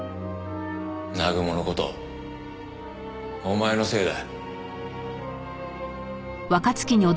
南雲の事お前のせいだ。